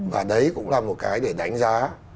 và đấy cũng là một cái để đánh giá